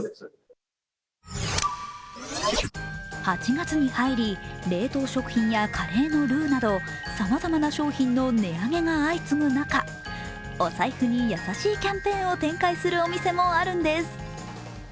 ８月に入り、冷凍食品やカレーのルーなどさまざまな商品の値上げが相次ぐ中、お財布に優しいキャンペーンを展開するお店もあるんです。